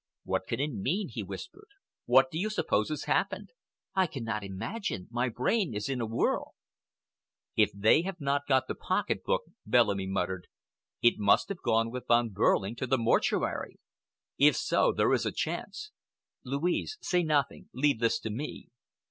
"What can it mean?" he whispered. "What do you suppose has happened?" "I cannot imagine. My brain is in a whirl." "If they have not got the pocket book," Bellamy muttered, "it must have gone with Von Behrling to the Mortuary. If so, there is a chance. Louise, say nothing; leave this to me."